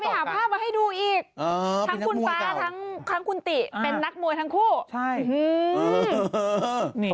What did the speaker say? หาภาพมาให้ดูอีกทั้งคุณฟ้าทั้งคุณติเป็นนักมวยทั้งคู่ใช่